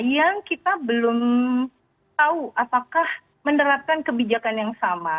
yang kita belum tahu apakah menerapkan kebijakan yang sama